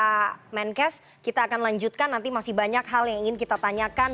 pak menkes kita akan lanjutkan nanti masih banyak hal yang ingin kita tanyakan